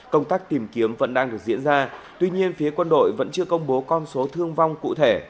công tác tìm kiếm vẫn đang được diễn ra tuy nhiên phía quân đội vẫn chưa công bố con số thương vong cụ thể